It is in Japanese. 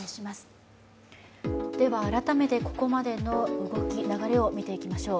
改めて、ここまでの動き、流れを見ていきましょおう。